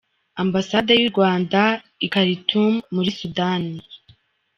Ambasade y‟u Rwanda i Karitumu, muri Sudani.